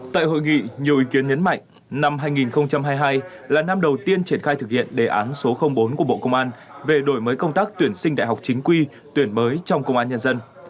tại hội nghị nhiều ý kiến nhấn mạnh năm hai nghìn hai mươi hai là năm đầu tiên triển khai thực hiện đề án số bốn của bộ công an về đổi mới công tác tuyển sinh đại học chính quy tuyển mới trong công an nhân dân